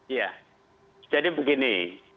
iya jadi begini